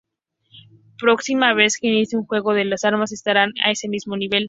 Próxima vez que inicie un juego, las armas estarán a ese mismo nivel.